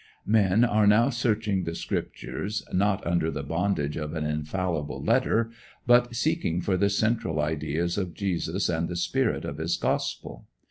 Men are now searching the Scriptures, not under the bondage of an infallible letter, but seeking for the central ideas of Jesus and the spirit of his gospel.